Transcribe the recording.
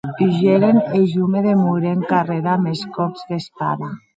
Hugeren, e jo me demorè en carrèr damb es còps d'espada.